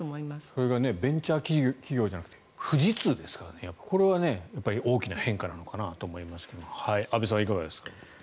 これがベンチャー企業じゃなくて富士通ですから大きな変化だと思いますが安部さん、いかがですか？